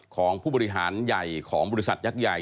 ของผู้บริหารใหญ่ของบริษัทยักษ์ใหญ่